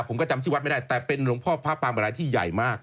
ผมก็จำที่วัดไม่ได้แต่เป็นหลวงพ่อพระปางบรายที่ใหญ่มาก